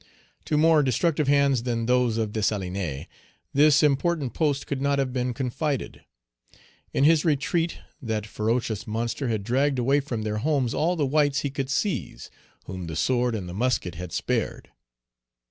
To more destructive hands than those of Dessalines, this important post could not have been confided. In his retreat, that ferocious monster had dragged away from their homes all the whites he could seize, whom the sword and the musket had spared.